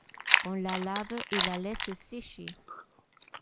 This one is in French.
On la lave et la laisse sécher.